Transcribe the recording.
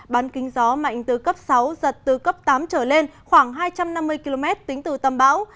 bán kính gió mạnh từ cấp sáu giật từ cấp tám trở lên khoảng hai trăm năm mươi km tính từ tâm bão